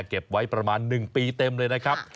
เก็บไว้ประมาณ๑ปีเต็มเลยนะครับ